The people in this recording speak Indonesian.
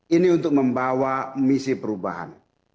ini untuk membawa misi perubahan